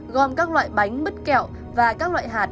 gom các loại bánh bứt kẹo và các loại hạt